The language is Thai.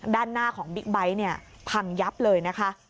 ด้านหน้าของบิ๊กไบท์เนี่ยพังยับเลยนะคะ